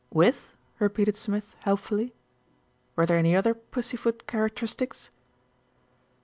"With ?" repeated Smith helpfully. "Were there any other pussyfoot characteristics?"